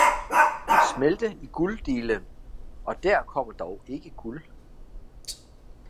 smelte i Gulddigelen, og der kommer dog ikke Guld.